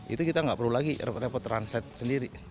itu kita gak perlu lagi repot repot translate sendiri